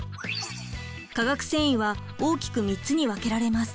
化学繊維は大きく３つに分けられます。